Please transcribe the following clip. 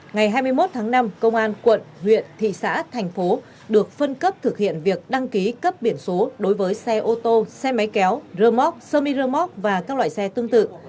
ngày hai mươi một tháng năm công an quận huyện thị xã thành phố được phân cấp thực hiện việc đăng ký cấp biển số đối với xe ô tô xe máy kéo rơ móc sơ mi rơ móc và các loại xe tương tự